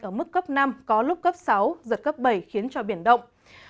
ở mức cấp năm có lúc cấp sáu giật cấp bảy khiến cho biển động